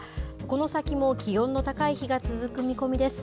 この先も気温の高い日が続く見込みです。